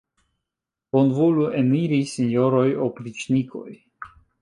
Bonvolu eniri, sinjoroj opriĉnikoj!